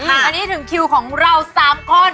อันนี้ถึงคิวของเรา๓คน